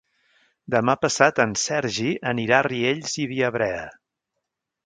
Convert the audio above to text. Demà passat en Sergi anirà a Riells i Viabrea.